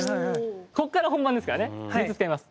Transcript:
こっから本番ですからね３つ使います。